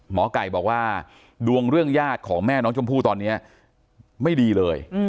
หมอไก่บอกว่าดวงเรื่องญาติของแม่น้องชมพู่ตอนนี้ไม่ดีเลย